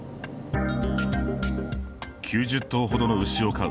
９０頭ほどの牛を飼う